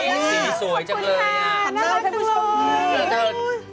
ขันหน้าให้ผู้ชมด้วย